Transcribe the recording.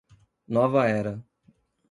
Nova Era